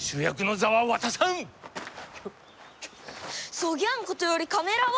そぎゃんことよりカメラは？